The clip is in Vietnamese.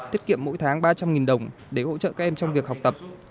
tiết kiệm mỗi tháng ba trăm linh đồng để hỗ trợ các em trong việc học tập